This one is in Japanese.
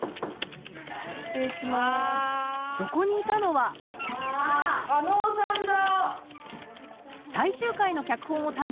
そこにいたのは加納さんだ！